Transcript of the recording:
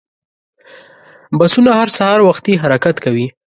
بسونه هر سهار وختي حرکت کوي.